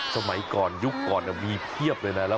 สมัยก่อนยุคก่อนมีเพียบเลยนะ